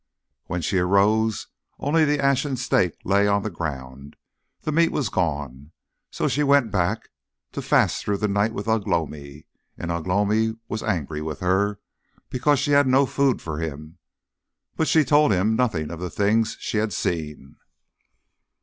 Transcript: When she arose only the ashen stake lay on the ground, the meat was gone. So she went back, to fast through the night with Ugh lomi; and Ugh lomi was angry with her, because she had no food for him; but she told him nothing of the things she had seen.